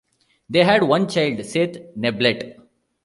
They had one child, Seth Neblett.